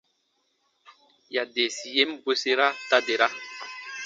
Yadeesi yen bwesera ta dera.